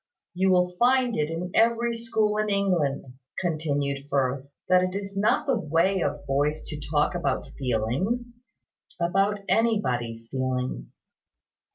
"You will find it in every school in England," continued Firth, "that it is not the way of boys to talk about feelings about anybody's feelings.